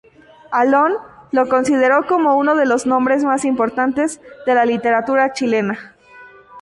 Alone lo consideró como uno de los nombres más importantes de la literatura chilena.